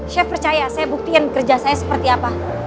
saya percaya saya buktikan kerja saya seperti apa